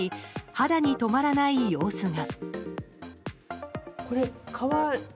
肌に止まらない様子が。